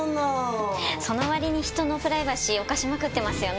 その割に人のプライバシー侵しまくってますよね。